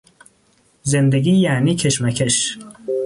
زندگی یعنی کشمکش